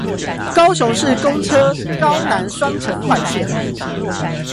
高雄市公車高南雙城快線